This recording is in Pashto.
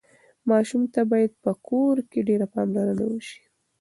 ماشوم ته باید په کور کې ډېره پاملرنه وشي.